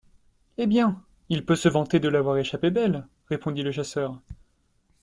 Eh bien! il peut se vanter de l’avoir échappée belle, répondit le chasseur !